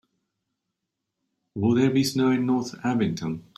Will there be snow in North Abington